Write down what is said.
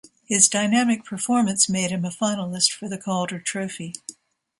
His dynamic performance made him a finalist for the Calder Trophy.